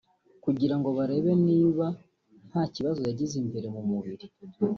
kugira ngo barebe niba nta kibazo yagize imbere mu mubiri